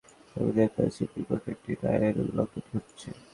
কারণ, কথিত পুনর্গঠনে কেবল সংবিধানই নয়, সুপ্রিম কোর্টের একটি রায়েরও লঙ্ঘন ঘটছে।